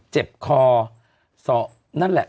เจ็บคอนั่นแหละ